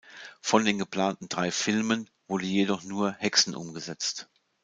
Von den geplanten drei Filmen wurde jedoch nur "Hexen" umgesetzt.